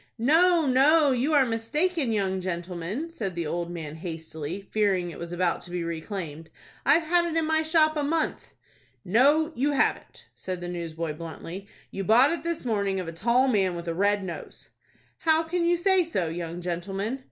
"No, no, you are mistaken, young gentleman," said the old man, hastily, fearing it was about to be reclaimed. "I've had it in my shop a month." "No, you haven't," said the newsboy, bluntly; "you bought it this morning of a tall man, with a red nose." "How can you say so, young gentleman?"